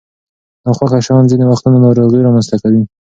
ناخوښه شیان ځینې وختونه ناروغۍ رامنځته کوي.